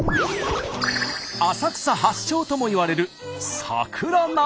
浅草発祥ともいわれる桜鍋。